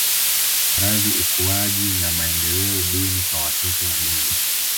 Maradhi ukuaji na maendeleo duni kwa watoto wadogo